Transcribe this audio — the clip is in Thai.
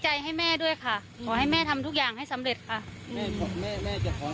แม่จะขอสารเมตตาอย่างไรบ้างครับ